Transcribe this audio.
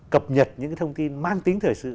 cập nhật những thông tin mang tính thời sự